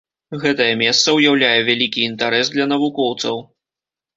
Гэтае месца ўяўляе вялікі інтарэс для навукоўцаў.